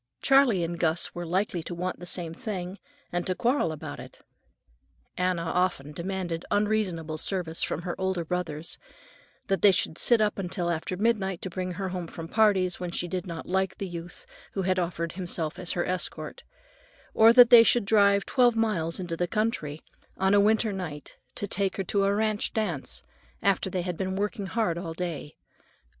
Charley and Gus were likely to want the same thing, and to quarrel about it. Anna often demanded unreasonable service from her older brothers; that they should sit up until after midnight to bring her home from parties when she did not like the youth who had offered himself as her escort; or that they should drive twelve miles into the country, on a winter night, to take her to a ranch dance, after they had been working hard all day.